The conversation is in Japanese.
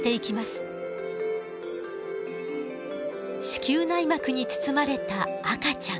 子宮内膜に包まれた赤ちゃん。